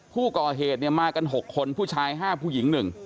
ผู้ก่อเหตุมากัน๖คนผู้ชาย๕ผู้หญิง๑